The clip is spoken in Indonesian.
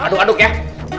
kal aduk aduk aduk aduk